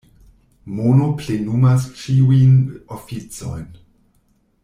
Mono plenumas ĉiujn oficojn.